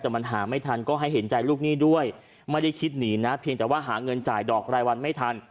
แต่มันหาไม่ทันก็ให้เห็นใจลูกหนี้ด้วยไม่ได้คิดหนีนะเพียงแต่ว่าหาเงินจ่ายดอกรายวันไม่ทัน